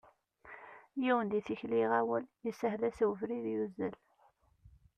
Yiwen di tikli iɣawel, ishel-as ubrid, yuzzel.